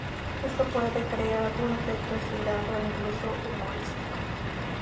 Esto puede crear un efecto estirado o incluso humorístico.